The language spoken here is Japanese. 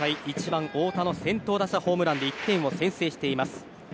１番太田の先頭打者ホームランで１点を先制しています。